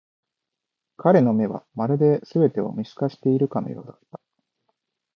彼の目は、まるで全てを見透かしているかのようだった。